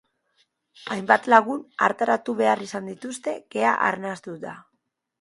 Hainbat lagun artatu behar izan dituzte, kea arnastuta.